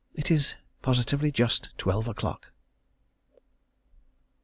It is positively just twelve o'clock.